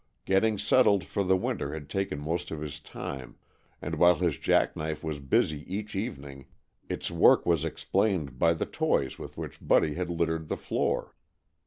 Getting settled for the winter had taken most of his time, and while his jack knife was busy each evening its work was explained by the toys with which Buddy had littered the floor.